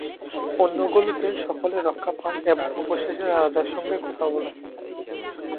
অন্যগুলোতে সকলে রক্ষা পায় এবং অবশেষে রাজার সঙ্গে কথা বলে।